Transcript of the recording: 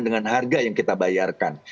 dengan harga yang kita bayarkan